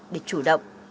để chủ động